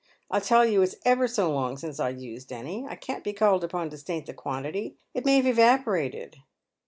"I tell you it's ever so long since I used any. I can't be called upon to state the quantity. It may have evaporated."